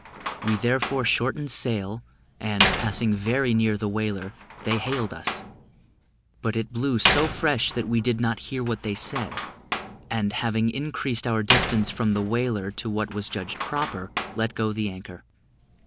We therefore shortened sail, and, passing very near the whaler, they hailed us; but it blew so fresh that we did not hear what they said; and, having increased our distance from the whaler to what was judged proper, let go the anchor.